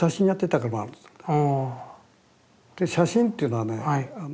で写真っていうのはね